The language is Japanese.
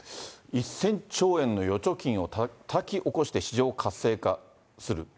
１０００兆円の預貯金をたたき起こして市場を活性化する。